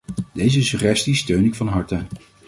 Deze suggesties steun ik van harte.